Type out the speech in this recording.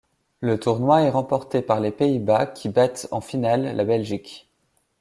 Le tournoi est remporté par les Pays-Bas qui battent en finale la Belgique.